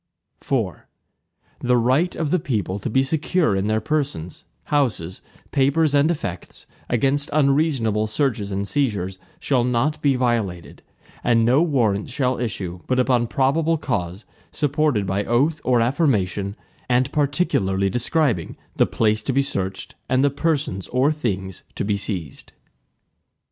IV The right of the people to be secure in their persons, houses, papers, and effects, against unreasonable searches and seizures, shall not be violated, and no Warrants shall issue, but upon probable cause, supported by oath or affirmation, and particularly describing the place to be searched, and the persons or things to be seized.